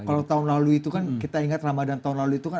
kalau tahun lalu itu kan kita ingat ramadan tahun lalu itu kan